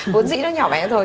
bốn dĩ nó nhỏ bé thôi